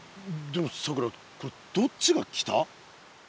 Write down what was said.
でもさくらどっちが北？